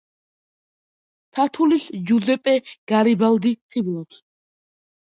თათულის ჯუზეპე გარიბალდი ხიბლავს